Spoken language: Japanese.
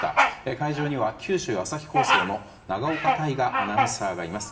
会場には九州朝日放送の長岡大雅アナウンサーがいます。